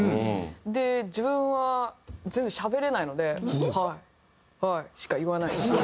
で自分は全然しゃべれないので「はいはい」しか言わないし。